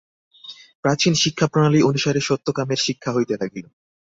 প্রাচীন শিক্ষাপ্রণালী অনুসারে সত্যকামের শিক্ষা হইতে লাগিল।